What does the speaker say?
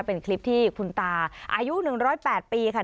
เป็นคลิปที่คุณตาอายุ๑๐๘ปีค่ะ